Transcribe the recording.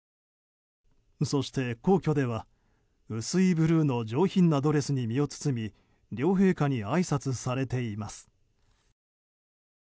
そして皇居では、薄いブルーの上品なドレスに身を包み両陛下にあいさつされています。